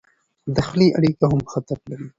د خولې اړیکه هم خطر لري.